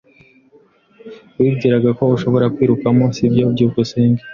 Wibwiraga ko ushobora kwikuramo, sibyo? byukusenge